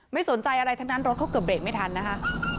ไม่สนใจอะไรทั้งนั้นรถเขาเกือบเบรกไม่ทันนะคะ